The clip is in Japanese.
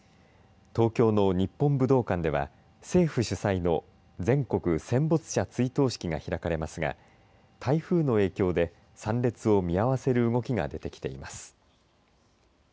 東京の日本武道館では政府主催の全国戦没者追悼式が開かれますが台風の影響で参列を見合わせる動きが出てきています。